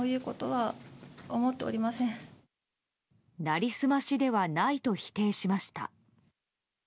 成り済ましではないと否定しました。